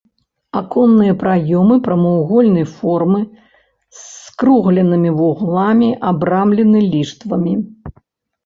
Аконныя праёмы прамавугольнай формы, з скругленымі вугламі, абрамлены ліштвамі.